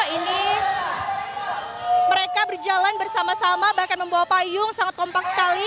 ini mereka berjalan bersama sama bahkan membawa payung sangat kompak sekali